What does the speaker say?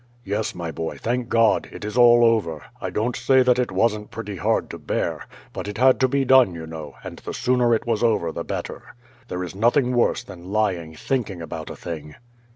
Yes, my boy, thank God, it is all over! I don't say that it wasn't pretty hard to bear; but it had to be done, you know, and the sooner it was over the better. There is nothing worse than lying thinking about a thing."